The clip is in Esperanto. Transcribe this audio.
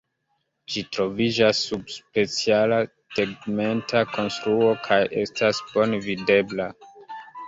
Ĝi troviĝas sub speciala tegmenta konstruo kaj estas bone videbla.